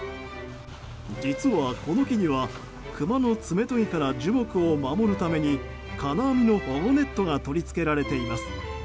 実は、この木にはクマの爪とぎから樹木を守るために金網の保護ネットが取り付けられています。